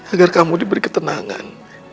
agar kamu diberi ketenangan